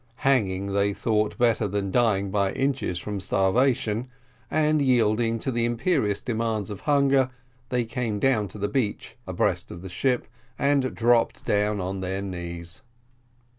Hanging they thought better than dying by inches from starvation; and, yielding to the imperious demands of hunger, they came down to the beach, abreast of the ship, and dropped down on their knees.